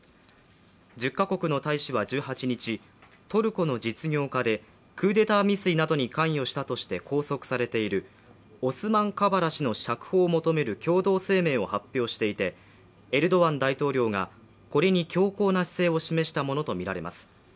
１０カ国の大使は１８日、トルコの実業家でクーデター未遂などに関与したとして拘束されているオスマン・カバラ氏の釈放を求める共同声明を発表していて、エルドアン大統領がこれに強硬な姿勢を示したものとみられます。